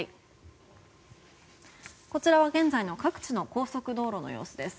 こちらは現在の各地の高速道路の様子です。